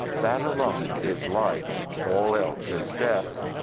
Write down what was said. That alone is life; all else is death.